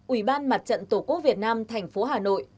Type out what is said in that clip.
ủy ban mặt trận tổ quốc việt nam tp hà nội